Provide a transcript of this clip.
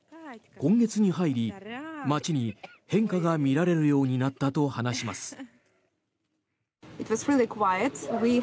今月に入り街に変化が見られるようになったと話します。